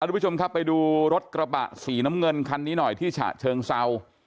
ทุกผู้ชมครับไปดูรถกระบะสีน้ำเงินคันนี้หน่อยที่ฉะเชิงเศร้า